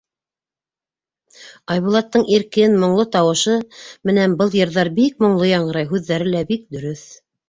Айбулаттың иркен, моңло тауышы менән был йырҙар бик моңло яңғырай, һүҙҙәре лә бик дөрөҫ.